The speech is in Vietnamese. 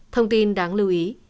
thông tin đáng lưu ý